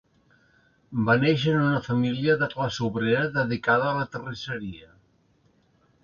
Va néixer en una família de classe obrera dedicada a la terrisseria.